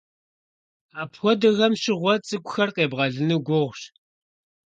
Апхуэдэхэм щыгъуэ цӀыкӀухэр къебгъэлыну гугъущ.